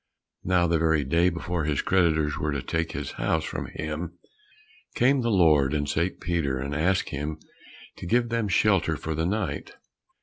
Now the very day before his creditors were to take his house from him, came the Lord and St. Peter, and asked him to give them shelter for the night.